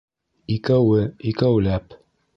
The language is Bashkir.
Икәүе, икәүләп